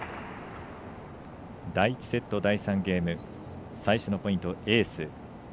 第１セット第３ゲーム最初のポイント、エース。